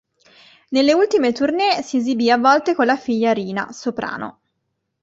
Nelle ultime tournée si esibì a volte con la figlia Rina, soprano.